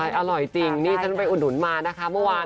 อร่อยจริงนี่ฉันไปอุดหนุนมานะคะเมื่อวาน